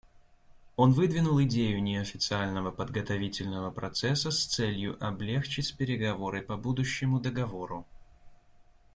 Он выдвинул идею неофициального подготовительного процесса с целью облегчить переговоры по будущему договору.